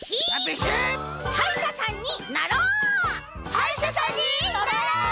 「はいしゃさんになろう！」。